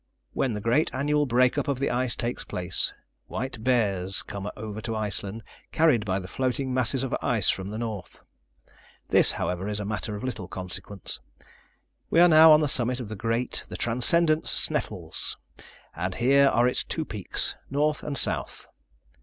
When the great annual breakup of the ice takes place, white bears come over to Iceland, carried by the floating masses of ice from the north. This, however, is a matter of little consequence. We are now on the summit of the great, the transcendent Sneffels, and here are its two peaks, north and south.